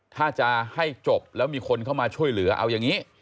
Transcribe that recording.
ถ้าจะให้จบแล้วมีคนเข้ามาช่วยเหลือเอาอย่างนี้